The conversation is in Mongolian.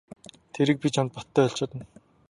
Тэрийг би чамд баттай хэлж чадна.